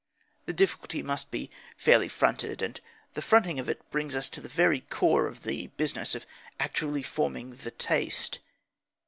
The difficulty must be fairly fronted, and the fronting of it brings us to the very core of the business of actually forming the taste.